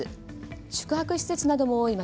宿泊施設なども多い街